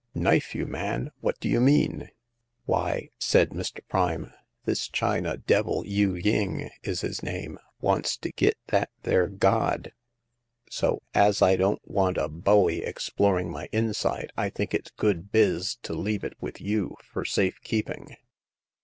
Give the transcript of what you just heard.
" Knife you, man ! What do you mean ?''" Why," said Mr. Prime, " this China d— 1— Yu ying is his name—wants to git that there god ; so, as I don't want a bowie exploring my inside, I think it's good biz to leave it with you fur safe keeping."